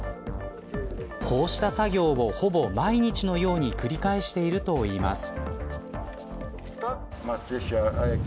こうした作業をほぼ毎日のように繰り返しているといいます。